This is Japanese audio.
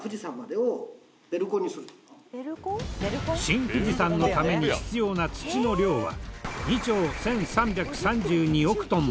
新富士山のために必要な土の量は２兆１３３２億トン。